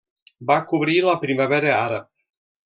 Va cobrir la Primavera Àrab.